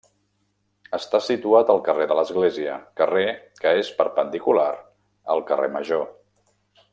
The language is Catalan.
Està situat al carrer de l'església, carrer, que és perpendicular al carrer Major.